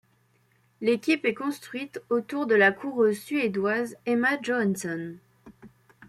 L'équipe est construite autour de la coureuse suédoise Emma Johansson.